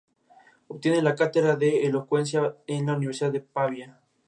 En ocasiones se utiliza maremoto para denominar los sismos que ocurren en el mar.